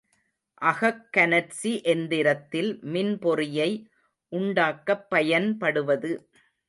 அகக்கனற்சி எந்திரத்தில் மின்பொறியை உண்டாக்கப் பயன்படுவது.